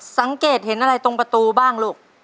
สังเกตเห็นอะไรตรงประตูบ้างลูก